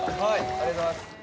ありがとうございます。